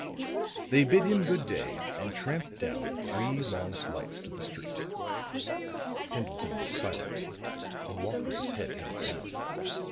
They bid him good day and tramped down the three long flights to the street. Pendleton was silent, and walked with his head held down.